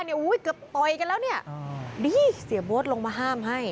เกือบต่อยกันแล้วเนี่ยดีเสียโบ๊ทลงมาห้ามให้